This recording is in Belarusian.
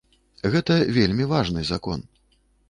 Гэта вельмі важны закон.